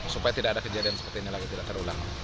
supaya tidak ada kejadian seperti ini lagi tidak terulang